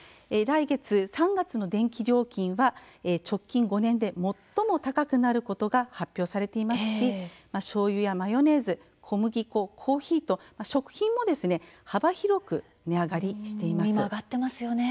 来月、３月の電気料金は直近５年で最も高くなることが発表されていますししょうゆや、マヨネーズ、小麦粉コーヒーと、食品も幅広く値上がりしています。